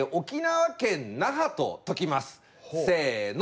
せの！